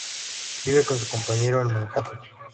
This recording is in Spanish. Vive con su compañero en Manhattan.